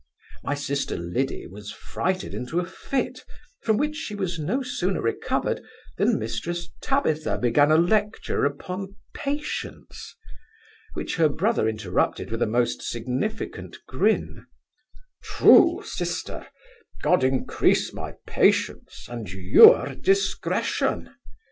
My sister Liddy was frighted into a fit, from which she was no sooner recovered, than Mrs Tabitha began a lecture upon patience; which her brother interrupted with a most significant grin, 'True, sister, God increase my patience and your discretion.